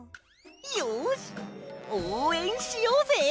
よしおうえんしようぜ！